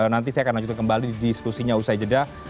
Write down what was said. nanti saya akan lanjutkan kembali diskusinya usai jeda